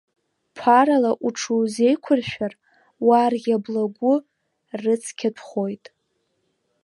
Ԥарала уҽузеиқәыршәар, уарӷьа благәы рыцқьатәхоит.